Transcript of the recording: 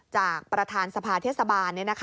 จากประธานสภาเทศบาล